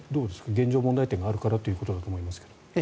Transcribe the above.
現状、問題点があるからということだと思いますが。